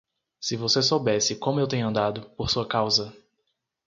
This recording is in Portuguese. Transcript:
Se você soubesse como eu tenho andado, por sua causa.